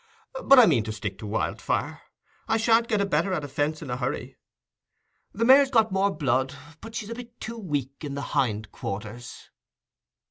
But I mean to stick to Wildfire: I shan't get a better at a fence in a hurry. The mare's got more blood, but she's a bit too weak in the hind quarters."